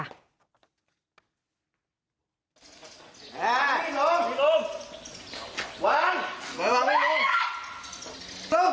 หล่าไปถ่านลง